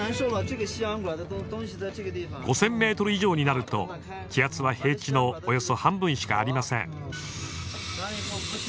５，０００ｍ以上になると気圧は平地の約半分しかありません。